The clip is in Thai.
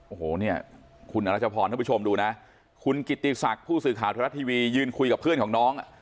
โอ้โหเนี่ยคุณอรัชพรท่านผู้ชมดูนะคุณกิติศักดิ์ผู้สื่อข่าวไทยรัฐทีวียืนคุยกับเพื่อนของน้อง